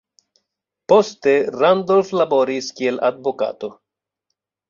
Poste Randolph laboris kiel advokato.